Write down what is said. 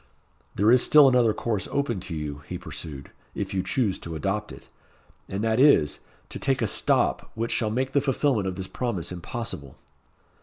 "There is still another course open to you," he pursued, "if you choose to adopt it; and that is, to take a stop which shall make the fulfilment of this promise impossible."